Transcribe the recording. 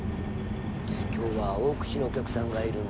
「今日は大口のお客さんがいるんだよ。